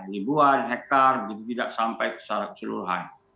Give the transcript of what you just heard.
libuan hektare tidak sampai keseluruhan